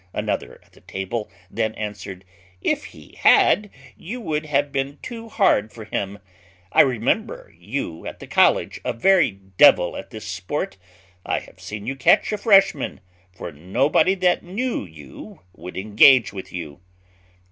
Another at the table then answered, "If he had, you would have been too hard for him; I remember you at the college a very devil at this sport; I have seen you catch a freshman, for nobody that knew you would engage with you."